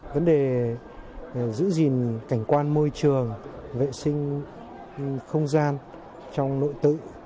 vấn đề giữ gìn cảnh quan môi trường vệ sinh không gian trong nội tự